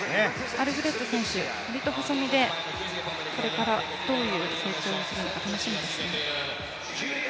アルフレッド選手、わりと細身でこれからどういう成長をするのか楽しみですね。